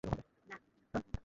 আমাদের শেষ, এটার শুরু!